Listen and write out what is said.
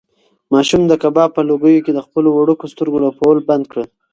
ماشوم د کباب په لوګیو کې د خپلو وړوکو سترګو رپول بند کړل.